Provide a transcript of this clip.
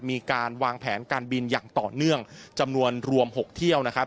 มีการวางแผนการบินอย่างต่อเนื่องจำนวนรวม๖เที่ยวนะครับ